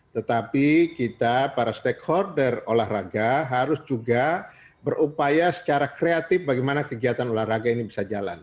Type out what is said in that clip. tetapi kita para stakeholder olahraga harus juga berupaya secara kreatif bagaimana kegiatan olahraga ini bisa jalan